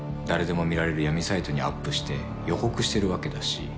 誰でも見られる闇サイトにアップして予告してるわけだし。